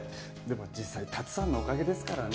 でも実際龍さんのおかげですからね。